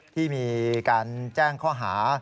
ที่มีการแจ้งข้อหา